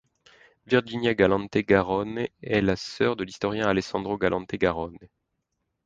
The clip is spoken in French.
Virginia Galante Garrone est la sœur de l'historien Alessandro Galante Garrone.